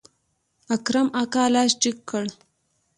اکرم اکا لاس جګ کړ.